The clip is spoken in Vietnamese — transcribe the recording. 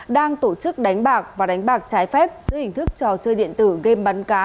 đang tổ chức đánh bạc và đánh bạc trái phép giữa hình thức trò chơi điện tử game bắn cá